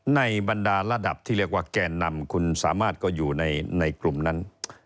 บรรดาระดับที่เรียกว่าแก่นำคุณสามารถก็อยู่ในกลุ่มนั้น